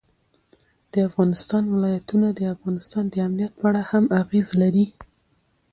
د افغانستان ولايتونه د افغانستان د امنیت په اړه هم اغېز لري.